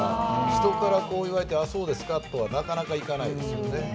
人から言われてあっ、そうですかとはなかなかいかないですね。